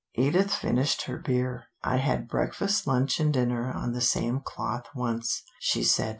Edith finished her beer. "I had breakfast, lunch and dinner on the same cloth once," she said.